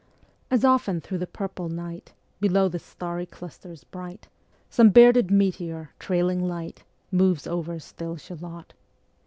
As often thro' the purple night, Below the starry clusters bright, Some bearded meteor, trailing light, Ā Ā Moves over still Shalott.